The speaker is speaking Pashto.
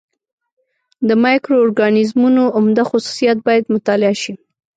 د مایکرو اورګانیزمونو عمده خصوصیات باید مطالعه شي.